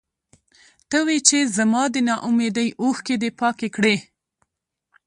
ته وې چې زما د نا اميدۍ اوښکې دې پاکې کړې.